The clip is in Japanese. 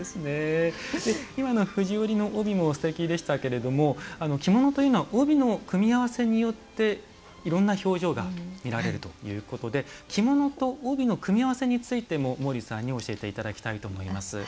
今の、藤織りの帯もすてきでしたが着物というのは帯の組み合わせによっていろんな表情が見られるということで着物と帯の組み合わせについても毛利さんに教えていただきたいと思います。